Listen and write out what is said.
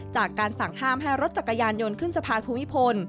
จากการสั่งห้ามให้รถจักรยานยนต์ขึ้นสะพานภูมิพล